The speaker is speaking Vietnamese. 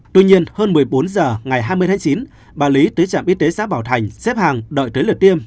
tuy nhiên hơn một mươi bốn h ngày hai mươi tháng chín bà lý tới trạm y tế xã bảo thành xếp hàng đợi tới lượt tiêm